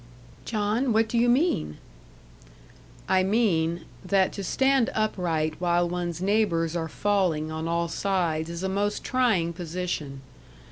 "John, what do you mean?" "I mean, that to stand upright while one's neighbours are falling on all sides is a most trying position.